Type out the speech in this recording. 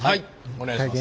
お願いします！